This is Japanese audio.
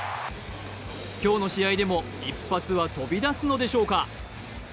今日の試合でも一発は飛び出すのでしょうか。